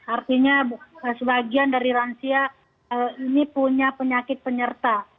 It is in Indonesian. artinya sebagian dari lansia ini punya penyakit penyerta